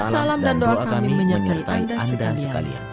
salam dan doa kami menyertai anda sekalian